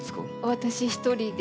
私一人で。